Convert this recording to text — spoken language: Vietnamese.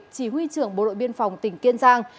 chỉ huy trưởng bộ đội biên phòng tỉnh kiên giang